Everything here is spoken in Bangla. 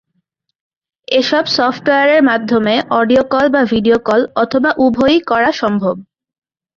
এসব সফটওয়্যারের মাধ্যমে অডিও কল বা ভিডিও কল অথবা উভয়ই করা সম্ভব।